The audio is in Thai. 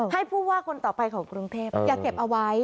ผู้ว่าคนต่อไปของกรุงเทพอย่าเก็บเอาไว้